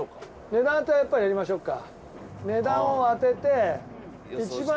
値段当てはやっぱりやりましょうか。